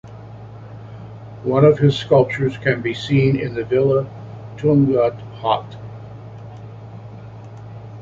One of his sculptures can be seen in the Villa Tugendhat.